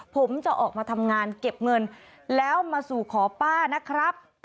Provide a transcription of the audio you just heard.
ผมจะออกมาทำงานเก็บเงินแล้วมาสู่ขอป้านะครับ